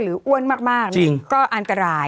อ้วนมากก็อันตราย